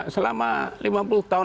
selama lima puluh tahun